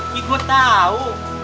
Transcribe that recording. nih gue tau